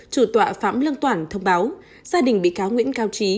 chủ tọa phạm lương toản thông báo gia đình bị cáo nguyễn cao trí